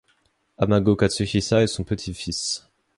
Amago Katsuhisa est son petit-fils.